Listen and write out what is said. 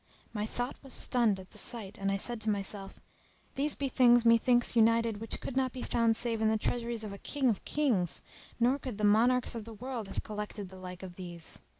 My thought was stunned at the sight and I said to myself, "These be things methinks united which could not be found save in the treasuries of a King of Kings, nor could the monarchs of the world have collected the like of these!"